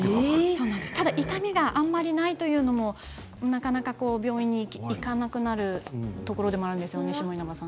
ただ痛みがあまりないというのもなかなか病院に行かなくなるところでもあるんですよね。